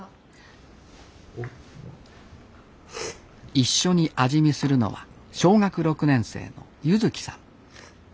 一緒に味見するのは小学６年生の柚希さん。